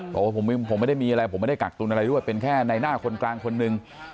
ตรงว่าผมไม่ได้กักตุลอะไรด้วยเป็นแค่ในหน้ากลางคนคนนึง